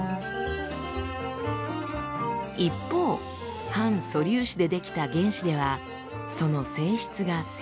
一方反素粒子で出来た原子ではその性質が正反対。